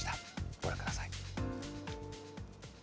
ご覧ください。